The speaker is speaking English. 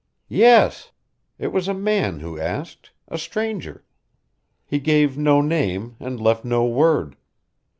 "Yes. It was a man who asked a stranger. He gave no name and left no word.